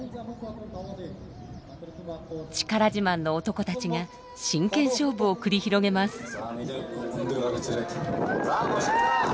力自慢の男たちが真剣勝負を繰り広げます。